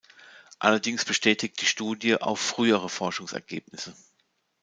Allerdings bestätigt die Studie auch frühere Forschungsergebnisse.